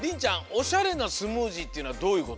おしゃれなスムージーっていうのはどういうこと？